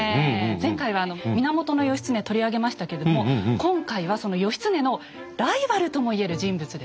前回は源義経取り上げましたけども今回はその義経のライバルとも言える人物です。